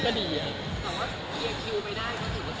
ก็ดีอะ